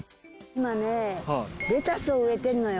今ねレタスを植えてるのよ。